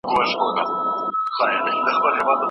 زما په برخه د تروږمیو خوب لیکلی